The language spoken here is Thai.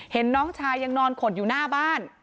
น้องชายยังนอนขดอยู่หน้าบ้าน